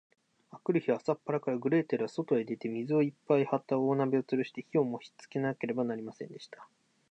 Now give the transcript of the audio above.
あくる日は、朝っぱらから、グレーテルはそとへ出て、水をいっぱいはった大鍋をつるして、火をもしつけなければなりませんでした。